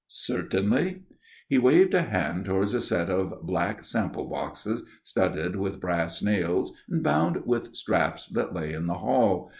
"Certainly." He waved a hand towards a set of black sample boxes studded with brass nails and bound with straps that lay in the hall.